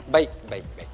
baik baik baik